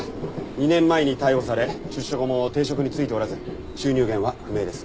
２年前に逮捕され出所後も定職に就いておらず収入源は不明です。